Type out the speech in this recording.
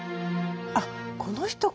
あっこの人か。